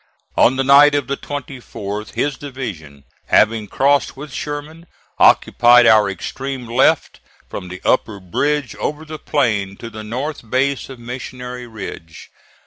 On the night of the 24th his division, having crossed with Sherman, occupied our extreme left from the upper bridge over the plain to the north base of Missionary Ridge.